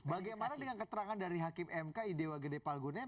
bagaimana dengan keterangan dari hakim mk idewa gede palgunen